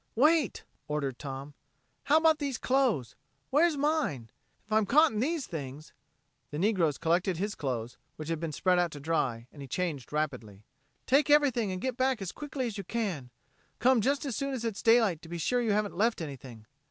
"Wait!" ordered Tom. "How about these clothes? Where're mine? If I'm caught in these things...." The negroes collected his clothes, which had been spread out to dry, and he changed rapidly. "Take everything and get back as quickly as you can. Come just as soon as it's daylight to be sure you haven't left anything.